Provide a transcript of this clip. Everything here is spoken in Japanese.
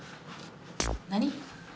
何？